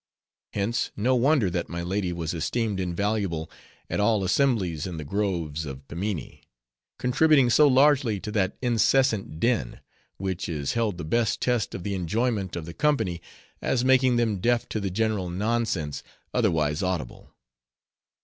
Hence, no wonder that my Lady was esteemed invaluable at all assemblies in the groves of Pimminee; contributing so largely to that incessant din, which is held the best test of the enjoyment of the company, as making them deaf to the general nonsense, otherwise audible.